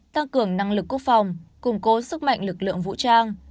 tăng cường năng lực quốc phòng củng cố sức mạnh lực lượng vũ trang